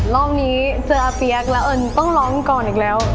รอบนี้เสื้อเพียกและเอิ้นต้องร้องก่อนอีกแล้ว